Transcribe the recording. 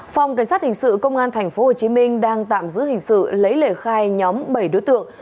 phòng cảnh sát hình sự công an tp hcm đang tạm giữ hình sự lấy lời khai nhóm bảy đối tượng